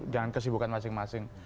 dengan kesibukan masing masing